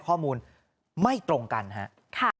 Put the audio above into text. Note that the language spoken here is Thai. ข้อมูลไม่ตรงกันครับ